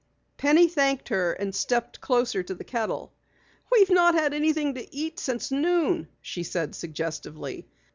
Penny thanked her and stepped closer to the kettle. "We've not had anything to eat since noon," she said suggestively.